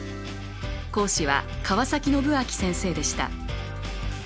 講師は川宣昭先生でした。